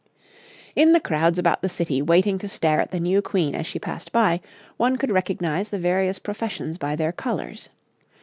In the crowds about the city waiting to stare at the new Queen as she passed by, one could recognise the various professions by their colours.